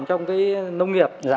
trong nông nghiệp